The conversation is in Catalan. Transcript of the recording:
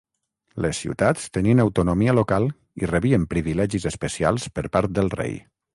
Les ciutats tenien autonomia local i rebien privilegis especials per part del rei.